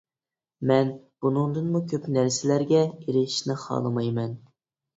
مەن بۇنىڭدىنمۇ كۆپ نەرسىلەرگە ئېرىشىشنى خالىمايمەن.